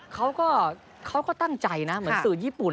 เขาก็เขาก็ตั้งใจนะเหมือนสื่อญี่ปุ่น